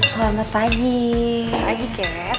selamat pagi kat